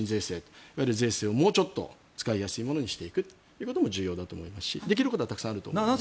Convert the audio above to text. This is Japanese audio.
いわゆる税制をもうちょっと使いやすい形にしていくことは重要だと思いますしできることはたくさんあると思います。